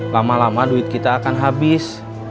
lama lama duit kita akan habis